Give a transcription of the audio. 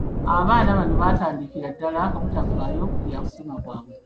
Abaana bano batandikira ddala obutafaayo ku byakusoma kwabwe.